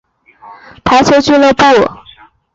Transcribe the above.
他现在效力于德国球队柏林排球俱乐部。